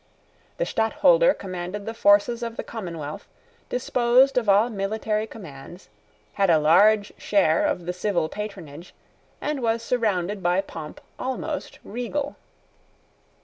The Stadtholder commanded the forces of the commonwealth, disposed of all military commands, had a large share of the civil patronage, and was surrounded by pomp almost regal.